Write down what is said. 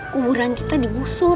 kuburan kita digosur